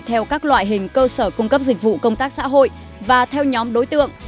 theo các loại hình cơ sở cung cấp dịch vụ công tác xã hội và theo nhóm đối tượng